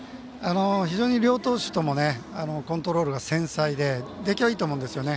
非常に両投手ともコントロールが繊細で出来はいいと思うんですよね。